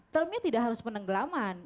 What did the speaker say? termnya tidak harus penenggelaman